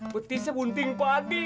beti sepunting padi